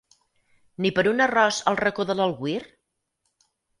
Ni per un arròs al Racó de l'Agüir?